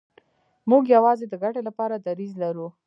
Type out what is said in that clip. موږ یوازې د ګټې لپاره دریځ لرو.